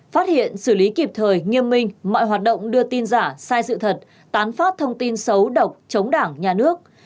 phát hiện xử lý kịp thời nghiêm minh mọi hoạt động đưa tin giả sai sự thật tán phát thông tin xấu độc chống đảng nhà nước